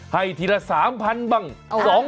ให้ทีละ๓พันบัง